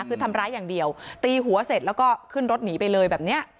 คือทำร้ายอย่างเดียวตีหัวเสร็จแล้วก็ขึ้นรถหนีไปเลยแบบเนี้ย